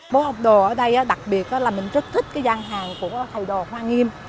phố âm đồ ở đây đặc biệt là mình rất thích cái gian hàng của thầy đồ hoa nghiêm